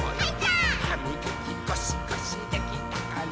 「はみがきゴシゴシできたかな？」